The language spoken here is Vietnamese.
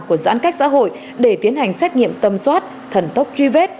của giãn cách xã hội để tiến hành xét nghiệm tâm soát thần tốc truy vết